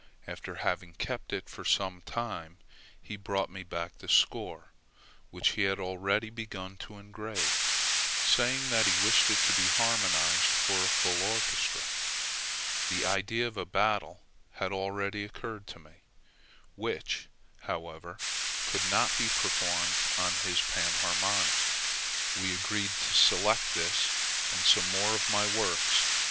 After having kept it for some time, he brought me back the score, which he had already begun to engrave, saying that he wished it to be harmonized for a full orchestra. The idea of a battle had already occurred to me, which, however, could not be performed on his panharmonica. We agreed to select this and some more of my works [see No.